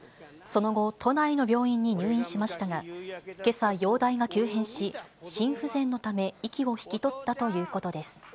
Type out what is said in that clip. その後、都内の病院に入院しましたが、けさ容体が急変し、心不全のため、息を引き取ったということです。